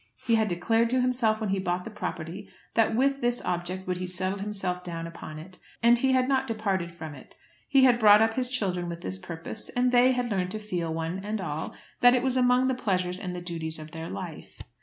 He had declared to himself when he bought the property that with this object would he settle himself down upon it, and he had not departed from it. He had brought up his children with this purpose; and they had learned to feel, one and all, that it was among the pleasures and the duties of their life.